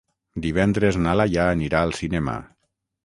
Divendres na Laia anirà al cinema.